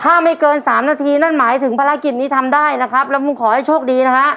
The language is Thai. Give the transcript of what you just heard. ถ้าไม่เกินสามนาทีนั่นหมายถึงภารกิจนี้ทำได้นะครับแล้วมึงขอให้โชคดีนะฮะ